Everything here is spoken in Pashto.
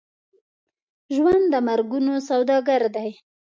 ژوند د مرګونو سوداګر دی.